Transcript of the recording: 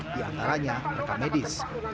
diantaranya rekam medis